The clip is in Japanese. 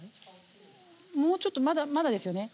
もうちょっとまだですよね？